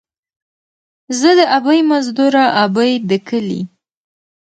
ـ زه دې ابۍ مزدوره ، ابۍ دې کلي.